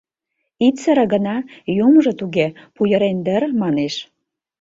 «Ит сыре гына, юмыжо туге пуйырен дыр», — манеш...